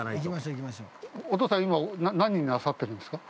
お父さん、今何なさってるんですか？